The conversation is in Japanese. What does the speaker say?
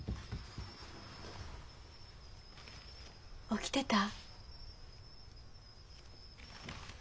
起きてた？